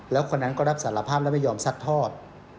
แล้วคนนั้นก็รับสารภาพและไม่ยอมซัดทอด